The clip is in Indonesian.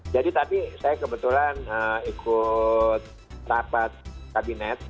jadi tadi saya kebetulan ikut rapat kabinet